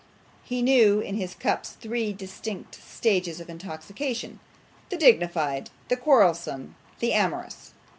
He knew in his cups three distinct stages of intoxication, the dignified the quarrelsome the amorous.